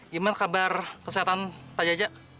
gimana kabar kesehatan pak jaja